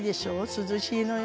涼しいのよ。